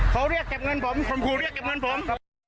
เค้ารียกเก็บเงินผมผมโทรคูรียกเก็บเงินผม